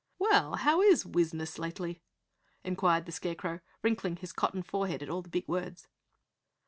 "Well, how is wizness lately?" inquired the Scarecrow, wrinkling his cotton forehead at all the big words.